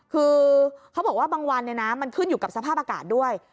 คือเขาบอกว่าบางวันมันขึ้นอยู่กับสภาพอากาศด้วย